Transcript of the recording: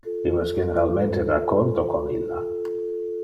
Io es generalmente de accordo con illa.